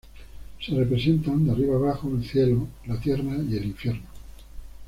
Se representan, de arriba abajo, el cielo, la tierra y el infierno.